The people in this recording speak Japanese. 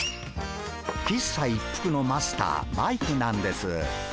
喫茶一服のマスターマイクなんです。